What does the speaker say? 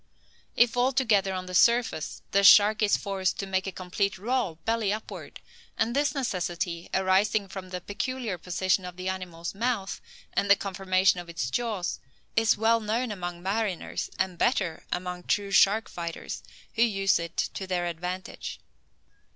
If altogether on the surface, the shark is forced to make a complete roll, belly upward; and this necessity, arising from the peculiar position of the animal's mouth, and the conformation of its jaws, is well known among mariners, and better among true shark fighters, who use it to their advantage.